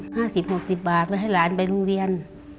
๕๐๖๐บาทไม่ให้หลานไปโรงเรียน